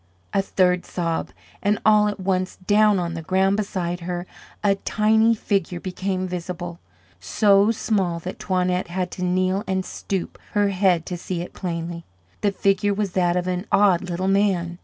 A third sob and all at once, down on the ground beside her, a tiny figure became visible, so small that Toinette had to kneel and stoop her head to see it plainly. The figure was that of an odd little man.